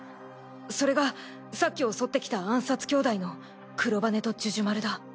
それがさっき襲ってきた暗殺兄弟のクロバネとジュジュマルだ。